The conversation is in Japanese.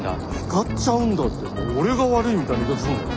「使っちゃうんだ」って俺が悪いみたいな言い方すんなよ。